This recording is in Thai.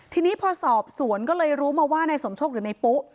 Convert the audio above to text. ทีนี้พอสอบสวนก็เลยรู้มาว่านายสมโชคหรือในปุ๊